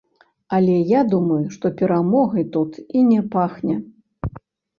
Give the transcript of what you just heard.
Але я думаю, што перамогай тут і не пахне.